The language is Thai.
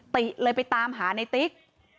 ติเลยไปตามหาในติ๊ก